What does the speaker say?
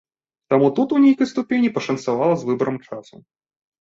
Таму тут у нейкай ступені пашанцавала з выбарам часу.